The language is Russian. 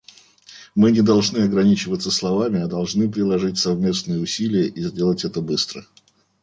Мы не должны ограничиваться словами, а должны приложить совместные усилия, и сделать это быстро.